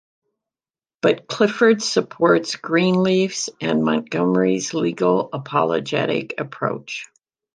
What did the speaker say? But Clifford supports Greenleaf's and Montgomery's legal apologetic approach.